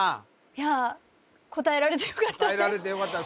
いやあ答えられてよかった